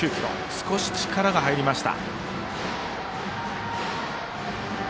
少し力が入りました。